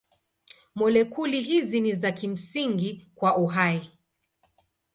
Molekuli hizi ni za kimsingi kwa uhai.